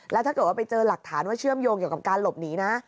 แล้วถ้าเกิดว่าไปเจอหลักฐานว่าเชื่อมโยงเกี่ยวกับการหลบหนีนะ